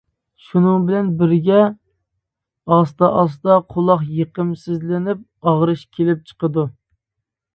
شۇنىڭ بىلەن بىرگە ئاستا-ئاستا قۇلاق يېقىمسىزلىنىپ ئاغرىش كېلىپ چىقىدۇ.